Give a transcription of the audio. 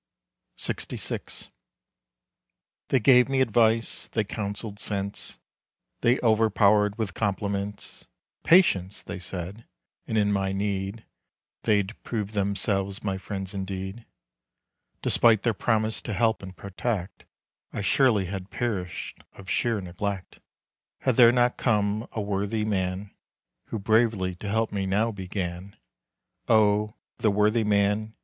LXVI. They gave me advice, they counseled sense, They overpowered with compliments. Patience! they said, and in my need They'd prove themselves my friends indeed. Despite their promise to help and protect, I surely had perished of sheer neglect, Had there not come a worthy man, Who bravely to help me now began. Oh, the worthy man!